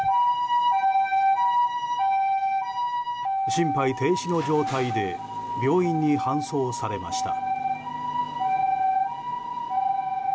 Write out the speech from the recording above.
心肺停止の状態で病院に搬送されました。